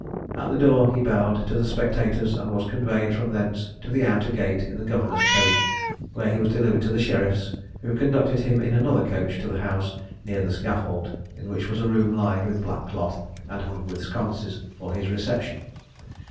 At the door he bowed to the spectators, and was conveyed from thence to the outer gate in the governor's coach, where he was delivered to the sheriffs, who conducted him in another coach to the house near the scaffold, in which was a room lined with black cloth, and hung with sconces, for his reception.